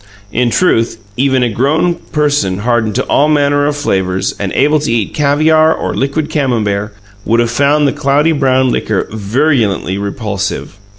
In truth, even a grown person hardened to all manner of flavours, and able to eat caviar or liquid Camembert, would have found the cloudy brown liquor virulently repulsive.